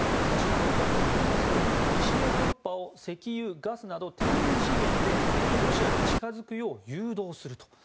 ワシントン・ポストによりますと西ヨーロッパを石油、ガスなど天然資源でロシアに近付くよう誘導すると。